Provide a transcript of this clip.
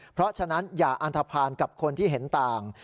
เพราะฉะนั้นอย่าอันทภาณกับคนที่เห็นต่าง